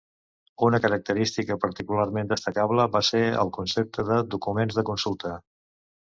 Una característica particularment destacable va ser el concepte de "documents de consulta".